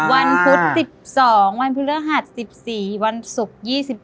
วันพุธ๑๒วันพฤหาศาสตร์๑๔วันศุกร์๒๑